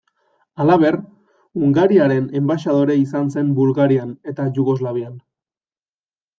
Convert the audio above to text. Halaber, Hungariaren enbaxadore izan zen Bulgarian eta Jugoslavian.